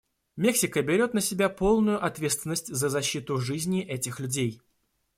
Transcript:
Мексика берет на себя полную ответственность за защиту жизни этих людей.